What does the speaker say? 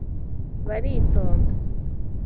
baritonda